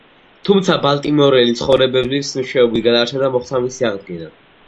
თუმცა ბალტიმორელი მცხოვრებლების მეშვეობით გადარჩა და მოხდა მისი აღდგენა.